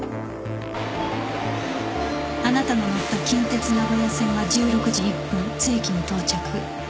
あなたの乗った近鉄名古屋線は１６時１分津駅に到着。